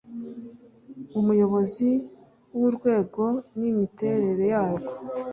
umuyobozi w urwego imiterere yarwo